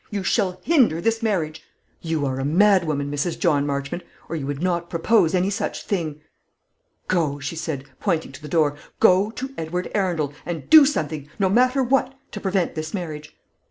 You shall hinder this marriage!" "You are a madwoman, Mrs. John Marchmont, or you would not propose any such thing." "Go," she said, pointing to the door; "go to Edward Arundel, and do something, no matter what, to prevent this marriage."